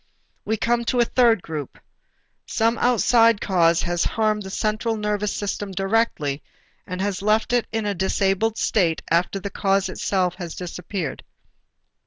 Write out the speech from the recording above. We come to a third group. Some outside cause has harmed the central nervous system directly, and has left it in a disabled state after the cause itself has disappeared.